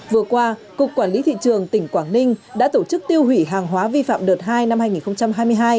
vừa qua cục quản lý thị trường tỉnh quảng ninh đã tổ chức tiêu hủy hàng hóa vi phạm đợt hai năm hai nghìn hai mươi hai